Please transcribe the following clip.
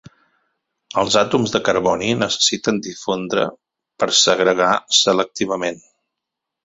Els àtoms de carboni necessiten difondre per segregar selectivament.